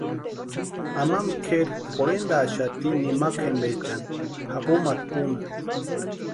Amampa kʼeri jorhentaaxati nimakwa jempaechani japumata úni.